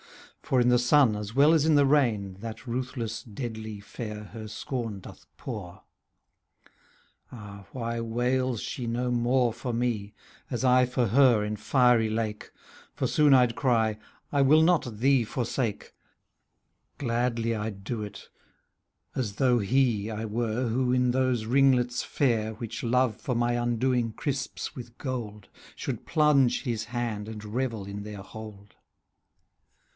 For in the sun as well as in the rain That ruthless deadly fair her scorn doth pour. Ah, why wails she no more ^ CANZONIERE For me, as I for her in fiery lake? For soon I'd cry, " I will not thee forsake." Gladly I'd do it, as though he I were Who, in those ringlets fair. Which Love for my undoing crisps with gold, .."" Should plunge his hand, and revel in their hold.